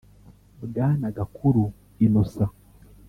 Bwana Gakuru Innocent